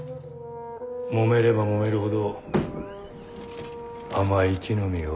もめればもめるほど甘い木の実が落ちてくる。